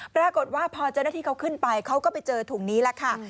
ปรากฏว่าพอเจ้าหน้าที่เขาขึ้นไปเขาก็ไปเจอถุงนี้แหละค่ะ